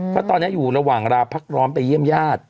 เพราะตอนนี้อยู่ระหว่างราพักร้อนไปเยี่ยมญาติ